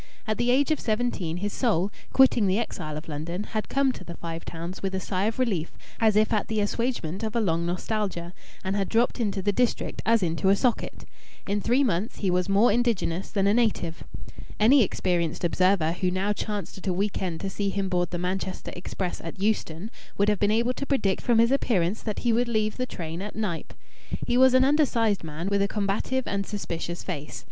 At the age of seventeen his soul, quitting the exile of London, had come to the Five Towns with a sigh of relief as if at the assuagement of a long nostalgia, and had dropped into the district as into a socket. In three months he was more indigenous than a native. Any experienced observer who now chanced at a week end to see him board the Manchester express at Euston would have been able to predict from his appearance that he would leave the train at Knype. He was an undersized man, with a combative and suspicious face.